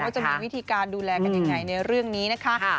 จะมีวิธีการดูแลกันยังไงในเรื่องนี้นะคะ